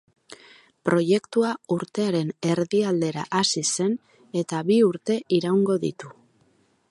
Proiektua urtearen erdi aldera hasi zen eta bi urte iraungo ditu.